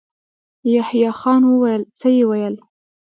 يحيی خان وويل: څه يې ويل؟